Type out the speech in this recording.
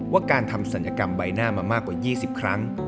ว่าการทำศัลยกรรมใบหน้ามามากกว่า๒๐ครั้ง